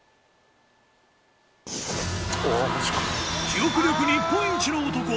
記憶力日本一の男